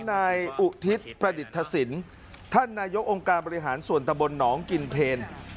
นายอุทิศประดิษฐศิลป์ท่านนายกองค์การบริหารส่วนตะบนหนองกินเพล